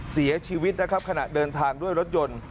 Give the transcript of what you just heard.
เสียชีวิตนะครับขณะเดินทางด้วยรถยนต์